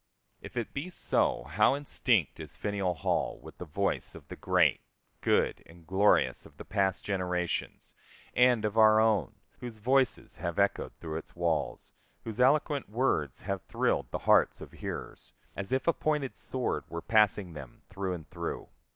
If it be so, how instinct is Faneuil Hall with the voice of the great, good, and glorious of past generations, and of our own, whose voices have echoed through its walls, whose eloquent words have thrilled the hearts of hearers, as if a pointed sword were passing them through and through.